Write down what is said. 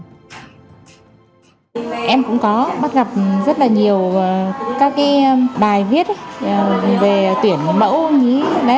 có bắt gặp rất là nhiều các bài viết về tuyển mẫu nhí